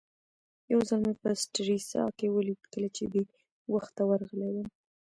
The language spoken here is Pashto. یو ځل مې په سټریسا کې ولید کله چې بې وخته ورغلی وم.